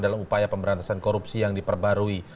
dalam upaya pemberantasan korupsi yang diperbarui